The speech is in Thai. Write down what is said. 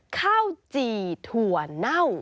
ข้าวจี่ถั่วเน่า